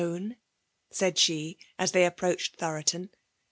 own» * said she« as they approached Thoroton.